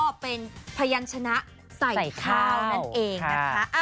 ก็เป็นพยันชนะใส่ข้าวนั่นเองนะคะ